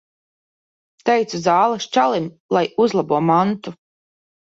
Teicu zāles čalim, lai uzlabo mantu.